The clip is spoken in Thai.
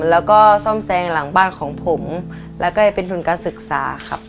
แล้วก็ซ่อมแซงหลังบ้านของผมแล้วก็จะเป็นทุนการศึกษาครับ